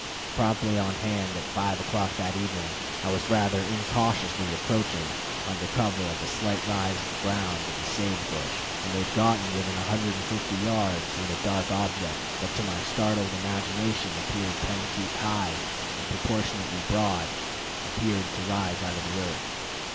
Promptly on hand at five o'clock that evening, I was rather incautiously approaching under cover of a slight rise of ground and the sage brush, and had gotten within 150 yards, when a dark object that to my startled imagination appeared ten feet high, and proportionately broad, appeared to rise out of the earth.